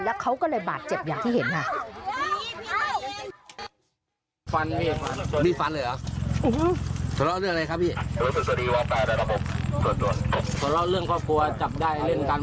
แล้วเขาก็เลยบาดเจ็บอย่างที่เห็นค่ะ